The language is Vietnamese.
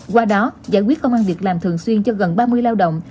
qua đó giải quyết công an việc làm thường xuyên cho gần ba mươi lao động